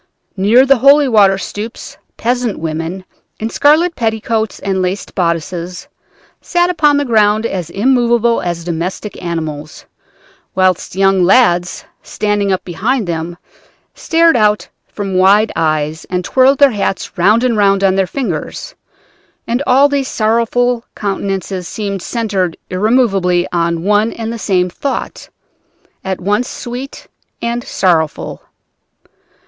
Near the holy water stoups peasant women, in scarlet petticoats and laced bodices, sat upon the ground as immovable as domestic animals, whilst young lads, standing up behind them, stared out from wide open eyes and twirled their hats round and round on their fingers, and all these sorrowful countenances seemed centred irremovably on one and the same thought, at once sweet and sorrowful.